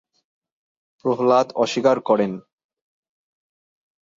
প্রহ্লাদ অস্বীকার করেন।